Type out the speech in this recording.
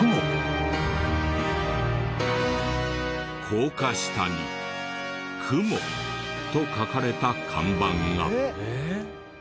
高架下に「雲」と書かれた看板が。